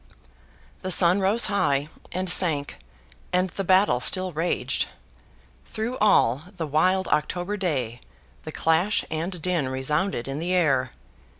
The sun rose high, and sank, and the battle still raged. Through all the wild October day, the clash and din resounded in the air.